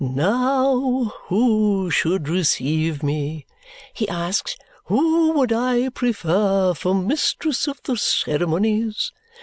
Now, who should receive me, he asked. Who would I prefer for mistress of the ceremonies?